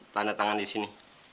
tanda tangan di sini